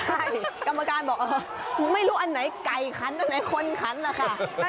ใช่กรรมการบอกเออไม่รู้อันไหนไก่ขันอันไหนคนขันนะคะ